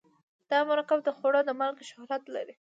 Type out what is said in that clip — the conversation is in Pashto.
دا مرکب د خوړو په مالګې شهرت لري.